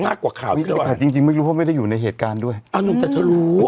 น่ากว่าข่าวจริงจริงไม่รู้ว่าไม่ได้อยู่ในเหตุการณ์ด้วยอ้าวหนุ่มแต่เธอรู้